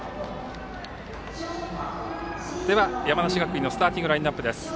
山梨学院のスターティングラインナップです。